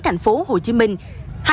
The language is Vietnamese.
thành phố hồ chí minh